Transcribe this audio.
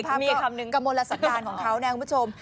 ถ้าไปสุภาพก็กระโมนละสับดาลของเขานะคุณผู้ชม